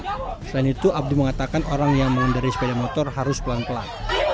selain itu abdi mengatakan orang yang mengendari sepeda motor harus pelan pelan